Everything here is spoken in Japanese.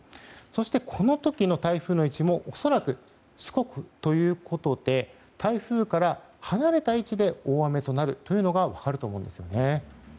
そして、この時の台風の位置も恐らく四国ということで台風から離れた位置で大雨となるというのが分かると思うんですよね。